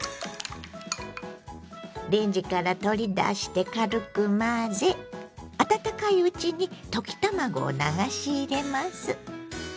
レンジから取り出して軽く混ぜ温かいうちに溶き卵を流し入れます。